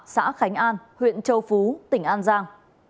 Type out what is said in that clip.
xã khánh an huyện châu phú tỉnh an giang